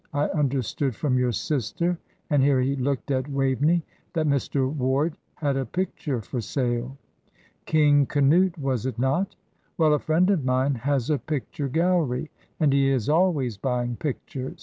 I understood from your sister," and here he looked at Waveney, "that Mr. Ward had a picture for sale. 'King Canute,' was it not? Well, a friend of mine has a picture gallery, and he is always buying pictures.